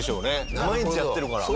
毎日やってるから。